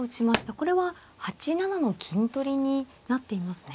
これは８七の金取りになっていますね。